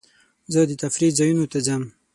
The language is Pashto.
زه د تفریح ځایونو ته ځم.